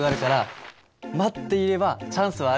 待っていればチャンスはあるんだよ。